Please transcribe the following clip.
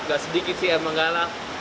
tidak sedikit sih memang galak